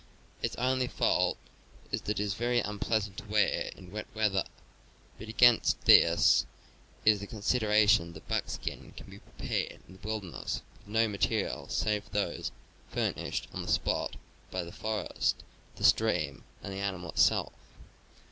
Its only fault is that it is very unpleasant to wear in wet weather; but against this is the consideration that buckskin can be prepared in the wilderness, with no materials save those furnished on the spot by the forest, the stream, and the animal itself.